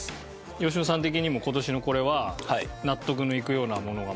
吉野さん的にも今年のこれは納得のいくようなものがまた。